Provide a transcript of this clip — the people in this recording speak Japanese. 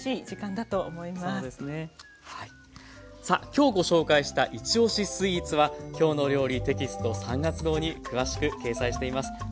さあきょうご紹介したいちおしスイーツは「きょうの料理」テキスト３月号に詳しく掲載しています。